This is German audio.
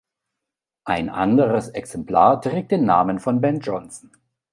Ein anderes Exemplar trägt den Namen von Ben Jonson.